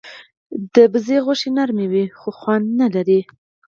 د بزه غوښه نرم نه وي، خو خوند لري.